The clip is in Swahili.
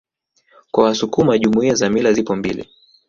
Kwa wasukuma Jumuiya za mila zipo mbili